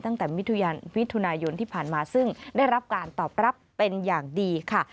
ตั้งแต่มิถุนายนที่ผ่านมาซึ่งได้รับการตอบรับเป็นอย่างดีค่ะ